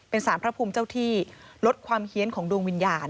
เป็นสารพระภูมิเจ้าที่ลดความเฮียนของดวงวิญญาณ